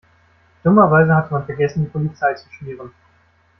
Dummerweise hatte man vergessen, die Polizei zu schmieren.